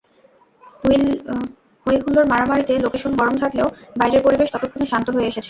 হইহুল্লোড়, মারামারিতে লোকেশন গরম থাকলেও বাইরের পরিবেশ ততক্ষণে শান্ত হয়ে এসেছে।